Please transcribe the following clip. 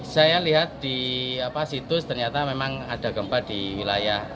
saya lihat di situs ternyata memang ada gempa di wilayah